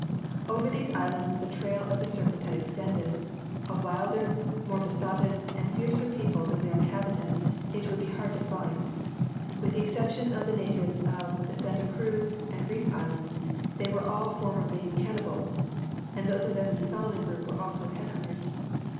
Over these islands the trail of the Serpent has extended. A wilder, more besotted, and fiercer people than their inhabitants it would be hard to find. With the exception of the natives of the Santa Cruz and Reef Islands, they all were formerly cannibals, and those of them in the Solomon Group were also head hunters....